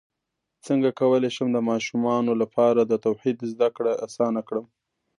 څنګه کولی شم د ماشومانو لپاره د توحید زدکړه اسانه کړم